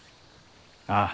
ああ。